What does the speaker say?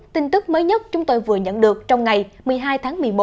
tin tức mới nhất chúng tôi vừa nhận được trong ngày một mươi hai tháng một mươi một